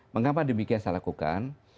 mengapa demikian saya lakukan